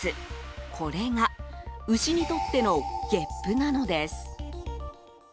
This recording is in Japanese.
これが、牛にとってのげっぷなのです。